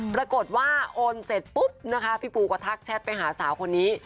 ปรากฏว่าโอนเสร็จปุ๊บนะคะพี่ปูก็ทักแชทไปหาสาวคนนี้